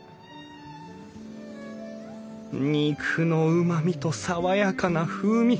肉のうまみと爽やかな風味。